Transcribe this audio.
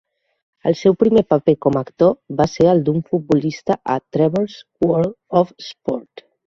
El seu primer paper com a actor va ser el d'un futbolista a "Trevor's World of Sport".